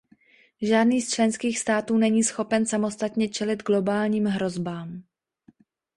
Žádný z členských států není schopen samostatně čelit globálním hrozbám.